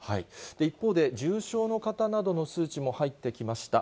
一方で重症の方などの数値も入ってきました。